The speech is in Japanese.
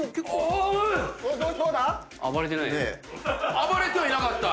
暴れてはいなかった。